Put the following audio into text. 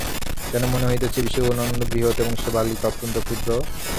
কেন মনে হইতেছে, এই বিশ্বভুবন অত্যন্ত বৃহৎ এবং সে বালিকা, অত্যন্ত ক্ষুদ্র?